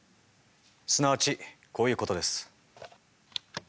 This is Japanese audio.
すなわちこういうことです。